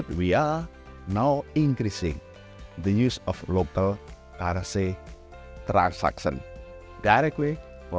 tidak hanya penggunaan informasi tapi juga apa yang kita lakukan sekarang menambahkan penggunaan transaksi lokal